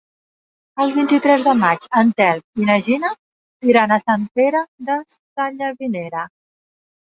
El vint-i-tres de maig en Telm i na Gina iran a Sant Pere Sallavinera.